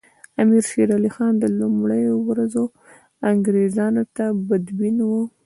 امیر شېر علي خان له لومړیو ورځو انګریزانو ته بدبین وو.